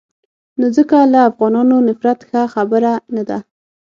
نو ځکه له افغانانو نفرت ښه خبره نه ده.